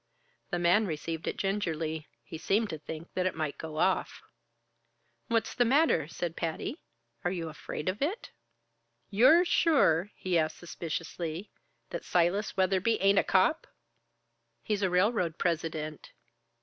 The man received it gingerly. He seemed to think that it might go off. "What's the matter?" said Patty. "Are you afraid of it?" "Ye're sure," he asked suspiciously, "that Silas Weatherby ain't a cop?" "He's a railroad president."